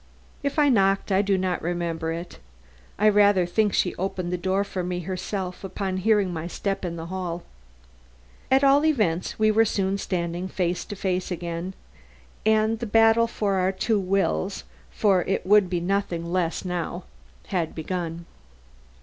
If I knocked I do not remember it. I rather think she opened the door for me herself upon hearing my step in the hall. At all events we were soon standing again face to face, and the battle of our two wills for it would be nothing less now had begun.